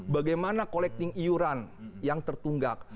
bagaimana collecting iuran yang tertunggak